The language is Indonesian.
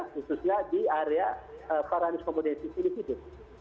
khususnya di area parahnis komoditif ini